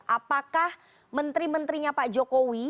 apakah menteri menterinya pak jokowi